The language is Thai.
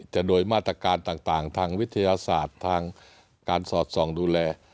โดยมาตรการต่างทางวิทยาศาสตร์ทางการสอดส่องดูแล